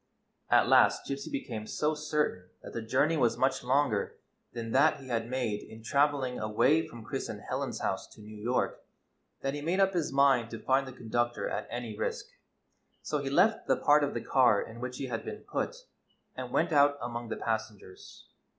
At last Gypsy became so certain that the journey was much longer than that he had made in traveling away from Chris and Helen's house to New York, that he made up his mind to find the conductor at any risk. So he left the part of the car in which he had been put, and went out among the passengers.